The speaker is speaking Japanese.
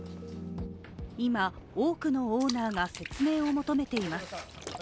今、多くのオーナーが説明を求めています。